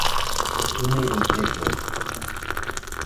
ɨniroi llegode.